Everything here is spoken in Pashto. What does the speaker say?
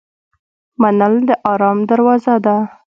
منل د آرام دروازه ده.